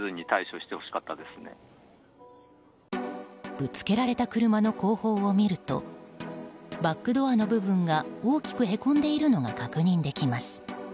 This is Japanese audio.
ぶつけられた車の後方を見るとバックドアの部分が大きくへこんでいるのが確認できます。